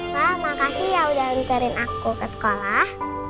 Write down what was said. pak makasih ya udah ngiserin aku ke sekolah